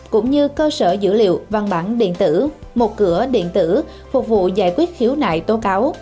cũng như cơ sở dữ liệu văn bản điện tử một cửa điện tử phục vụ giải quyết khiếu nại tố cáo